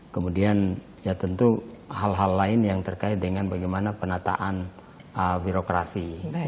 kemudian ya tentu hal hal lain yang terkait dengan bagaimana penataan birokrasi